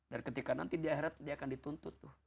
dan ketika nanti dia heret dia akan dituntut tuh